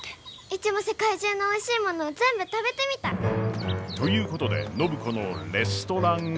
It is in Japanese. うちも世界中のおいしいもの全部食べてみたい！ということで暢子のレストラン初体験！